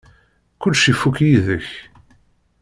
Kullec ifuk yid-k.